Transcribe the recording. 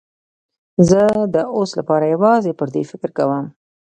زه د اوس لپاره یوازې پر دې فکر کوم.